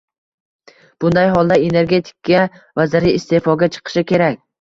Bunday holda, energetika vaziri iste'foga chiqishi kerak